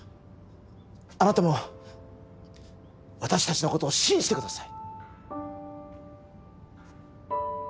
あなたも私達のことを信じてください